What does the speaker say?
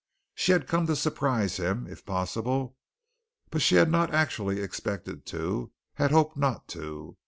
She had come to surprise him, if possible, but she had not actually expected to, had hoped not to.